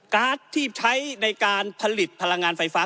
ที่ใช้ในการผลิตพลังงานไฟฟ้า